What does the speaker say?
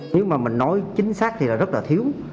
nếu mà mình nói chính xác thì là rất là thiếu